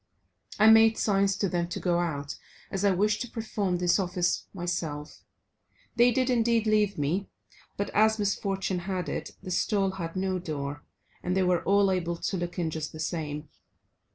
I made signs to them to go out, as I wished to perform this office myself; they did indeed leave me, but as misfortune had it, the stall had no door, and they were all able to look in just the same.